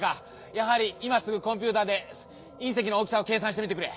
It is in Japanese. やはりいますぐコンピューターでいん石の大きさをけいさんしてみてくれ。